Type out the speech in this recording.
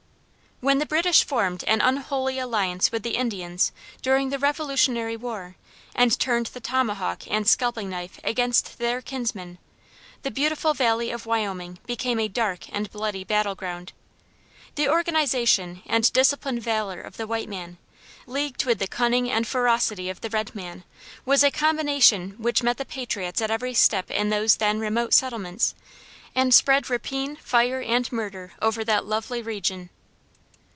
When the British formed an unholy alliance with the Indians during the Revolutionary War and turned the tomahawk and scalping knife against their kinsmen, the beautiful valley of Wyoming became a dark and bloody battle ground. The organization and disciplined valor of the white man, leagued with the cunning and ferocity of the red man, was a combination which met the patriots at every step in those then remote settlements, and spread rapine, fire, and murder over that lovely region.